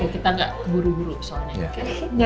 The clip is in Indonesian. jangan berhuru huru soalnya